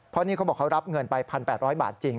เพราะนี่เขาบอกเขารับเงินไป๑๘๐๐บาทจริง